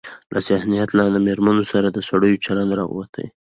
له ذهنيت نه له مېرمنو سره د سړيو چلن راوتى.